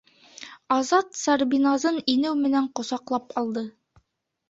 Азат Сәрбиназын инеү менән ҡосаҡлап алды: